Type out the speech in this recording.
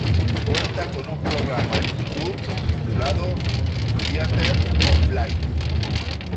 Cuenta con un programa en YouTube titulado "Theatre of Life.